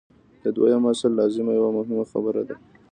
د دویم اصل لازمه یوه مهمه خبره ده.